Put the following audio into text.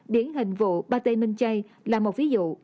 điển hành vụ pate minh chay là một ví dụ